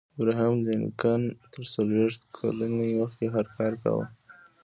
ابراهم لینکن تر څلویښت کلنۍ مخکې هر کار کاوه